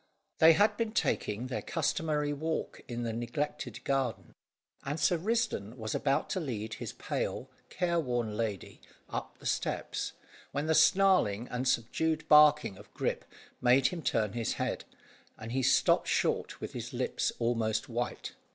They had been taking their customary walk in the neglected garden, and Sir Risdon was about to lead his pale, careworn lady up the steps, when the snarling and subdued barking of Grip made him turn his head, and he stopped short with his lips almost white.